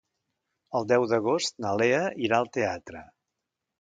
El deu d'agost na Lea irà al teatre.